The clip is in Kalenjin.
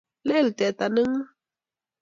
Lel teta ne ng'ung'.